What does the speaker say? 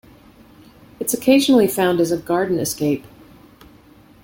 It's occasionally found as a garden escape.